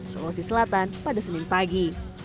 sulawesi selatan pada senin pagi